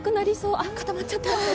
あ、固まっちゃった。